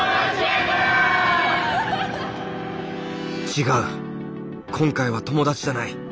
違う今回は友達じゃない。